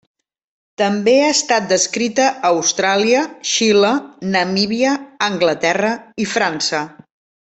També ha estat descrita a Austràlia, Xile, Namíbia, Anglaterra i França.